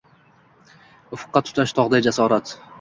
Ufqqa tutash tog‘day jasorat